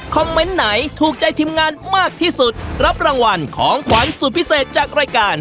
เมนต์ไหนถูกใจทีมงานมากที่สุดรับรางวัลของขวัญสุดพิเศษจากรายการ